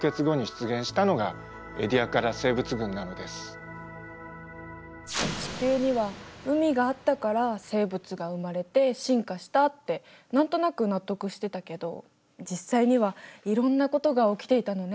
例えば地球には海があったから生物が生まれて進化したって何となく納得してたけど実際にはいろんなことが起きていたのね。